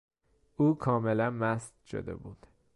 او کاملا مست شده بود.